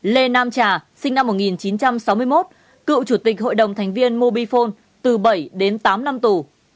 lê nam trà sinh năm một nghìn chín trăm sáu mươi một cựu chủ tịch hội đồng thành viên mobifone từ bảy đến tám năm tù